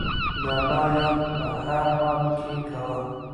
د الله یاد په هر حال کې کوه.